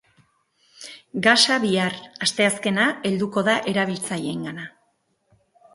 Gasa bihar, asteazkena, helduko da erabiltzaileengana.